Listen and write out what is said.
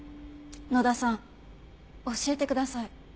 野田さん教えてください。